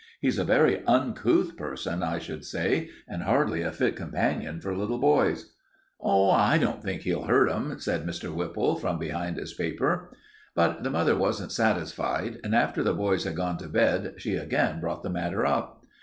He's a very uncouth person, I should say, and hardly a fit companion for little boys." "Oh, I don't think he'll hurt them," said Mr. Whipple from behind his paper. But the mother wasn't satisfied, and after the boys had gone to bed she again brought the matter up.